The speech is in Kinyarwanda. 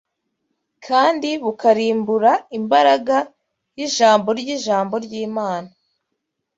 kandi bukarimbura imbaraga y’ijambo ry’ijambo ry’Imana